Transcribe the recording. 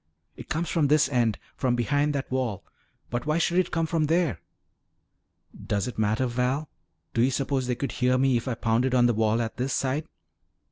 "It comes from this end. From behind that wall. But why should it come from there?" "Does it matter? Val, do you suppose they could hear me if I pounded on the wall at this side?"